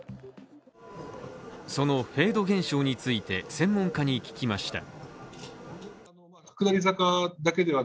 そのフェード現象について専門家に聞きました。